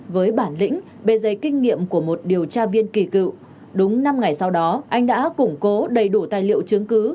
với bản lĩnh bề dây kinh nghiệm của một điều tra viên kỳ cựu đúng năm ngày sau đó anh đã củng cố đầy đủ tài liệu chứng cứ